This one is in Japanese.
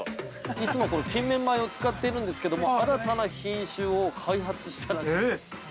◆いつも金芽米を使っているんですけども、新たな品種を開発したらしいです。